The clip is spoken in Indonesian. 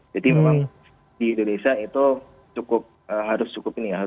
jadi memang di indonesia itu cukup harus cukup ini ya